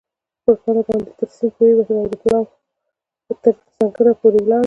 پر پله باندې تر سیند پورېوتم او د پلاوا تر سنګره پورې ولاړم.